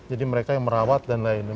jadi mereka yang merawat dan lain lain